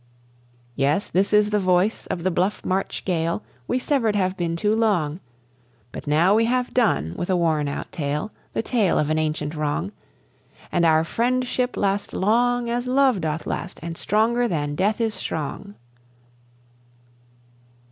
Yes, this is the voice of the bluff March gale; We severed have been too long, But now we have done with a worn out tale The tale of an ancient wrong And our friendship last long as love doth last and stronger than death is strong.